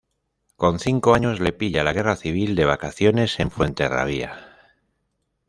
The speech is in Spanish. Con cinco años le pilla la guerra civil de vacaciones en Fuenterrabía.